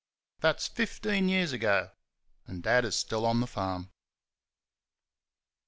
That's fifteen years ago, and Dad is still on the farm.